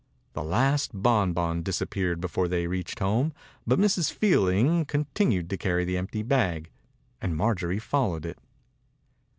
The last bon bon disappeared before they reached home, but Mrs. Field ing continued to carry the empty bag, and Marjorie followed it.